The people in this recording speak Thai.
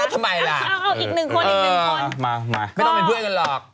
ทำไมล่ะอีกหนึ่งคนอีกหนึ่งคนไม่ต้องเป็นเพื่อนกันหรอก